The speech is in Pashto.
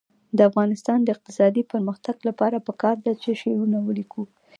د افغانستان د اقتصادي پرمختګ لپاره پکار ده چې شعرونه ولیکو.